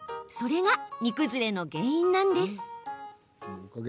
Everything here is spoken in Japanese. それが煮崩れの原因なんです。